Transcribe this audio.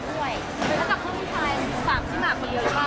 แล้วกับเพื่อนผู้ชายมีฝากที่หมากมันเดียวหรือเปล่า